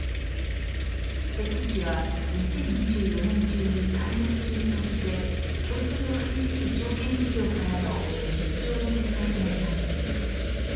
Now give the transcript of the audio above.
手続きは２０２４年中に完了する見通しで競争の激しい証券事業からの事実上の撤退となります。